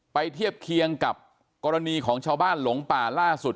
เทียบเคียงกับกรณีของชาวบ้านหลงป่าล่าสุด